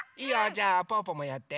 じゃあぽぅぽもやって。